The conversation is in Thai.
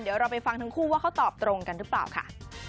เดี๋ยวเราไปฟังทั้งคู่ว่าเขาตอบตรงกันหรือเปล่าค่ะ